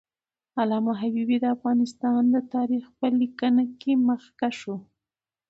علامه حبیبي د افغانستان د تاریخ په لیکنه کې مخکښ و.